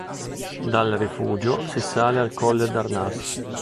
Dal rifugio si sale al colle d'Arnas.